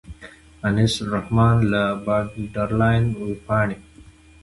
انیس الرحمن له باډرلاین وېبپاڼې.